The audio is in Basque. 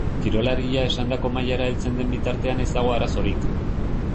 Kirolaria esandako mailara heltzen den bitartean ez dago arazorik.